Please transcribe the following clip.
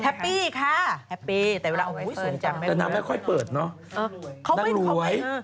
ปี้ค่ะแฮปปี้แต่เวลาโอ้โหแต่นางไม่ค่อยเปิดเนอะนางรวย